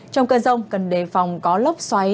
trong cơn rông cần đề phòng có lốc xoáy